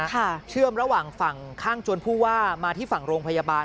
เชื่อมระหว่างฝั่งข้างจวนผู้ว่ามาที่ฝั่งโรงพยาบาล